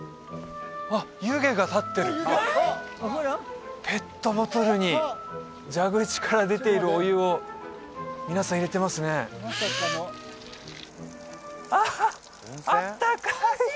あっ湯気が立ってるペットボトルに蛇口から出ているお湯を皆さん入れてますねアハッあったかい！